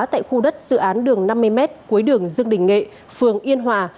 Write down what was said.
tại khu đất dự án đường năm mươi mét cuối đường dương đình nghệ phường yên hòa